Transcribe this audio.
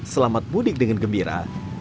selamat mudik dengan gembira